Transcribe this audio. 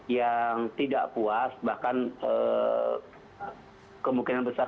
yang tidak puas bahkan kemungkinan besar